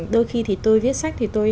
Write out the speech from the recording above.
đôi khi thì tôi viết sách thì tôi